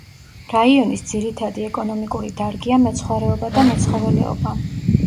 რაიონის ძირითადი ეკონომიკური დარგია მეცხვარეობა და მეცხოველეობა.